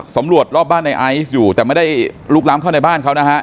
รอบบ้านในไอซ์อยู่แต่ไม่ได้ลุกล้ำเข้าในบ้านเขานะฮะ